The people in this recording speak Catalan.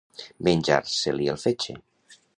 Menjar-se-li el fetge.